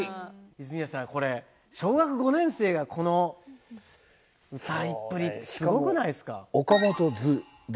泉谷さんこれ小学５年生がこの歌いっぷりってすごくないですか？